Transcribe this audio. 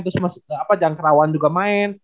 terus mas apa jangkrawan juga main